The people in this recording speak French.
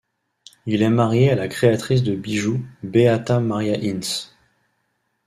Il est marié à la créatrice de bijoux Beata Maria Hinz.